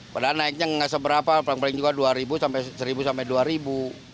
padahal naiknya gak seberapa paling paling juga rp dua sampai rp satu sampai rp dua